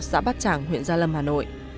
xã bát trảng huyện gia lâm hà nội